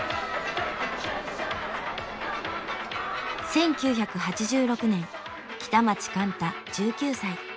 １９８６年北町貫多１９歳。